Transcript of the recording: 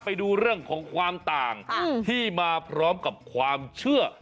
ไปดูเรื่องของความต่างที่มาพร้อมกับความเชื่อ